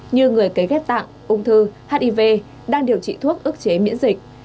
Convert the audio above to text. như người cấy ghép tạng ung thư hiv đang điều trị thuốc ức chế miễn dịch